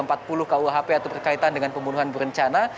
pasal tiga empat puluh kuhp atau berkaitan dengan pembunuhan berencana